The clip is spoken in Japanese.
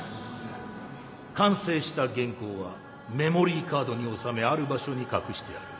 完成した原稿はメモリーカードに収めある場所に隠してある。